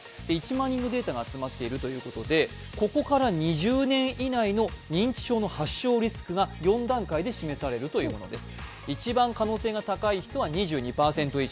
１万人のデータが集まっているということで、ここから２０年以内の認知症の発症リスクが４段階で示されるということです。